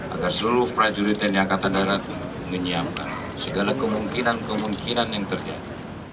agar seluruh prajurit tni angkatan darat menyiapkan segala kemungkinan kemungkinan yang terjadi